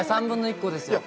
３分の１個です。